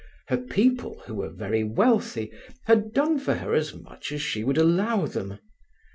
Her people, who were very wealthy, had done for her as much as she would allow them.